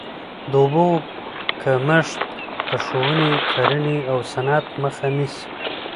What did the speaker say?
د اوبو کمښت د ښووني، کرهڼې او صنعت مخه نیسي.